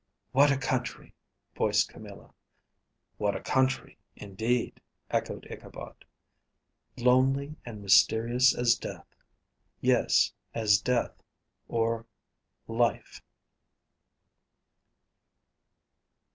"What a country!" voiced Camilla. "What a country, indeed," echoed Ichabod. "Lonely and mysterious as Death." "Yes, as Death or Life."